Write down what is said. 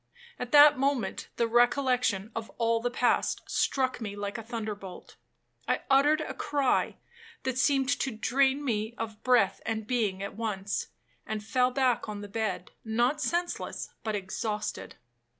At that moment the recollection of all the past struck me like a thunder bolt. I uttered a cry, that seemed to drain me of breath and being at once, and fell back on the bed, not senseless but exhausted.